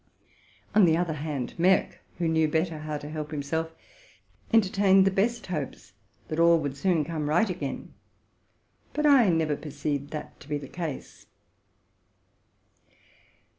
On the other hand, Merck, who knew better how to help himself, entertained the best hopes that all would soon come right again; but I never perceived that to be the case.